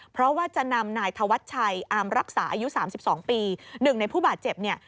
เพราะว่าจะนำนายธวัชชัยอามรักษาอายุสามสิบสองปีหนึ่งในผู้บาดเจ็บเนี่ย